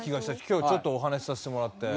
今日ちょっとお話しさせてもらって。